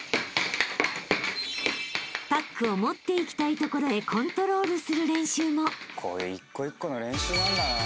［パックを持っていきたいところへコントロールする練習も］